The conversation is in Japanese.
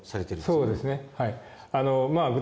そうですねはい。